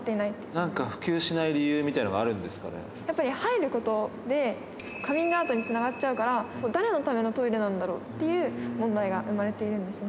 なんか普及しない理由みたいやっぱり入ることで、カミングアウトにつながっちゃうから誰のためのトイレなんだろうっていう問題が生まれているんですね。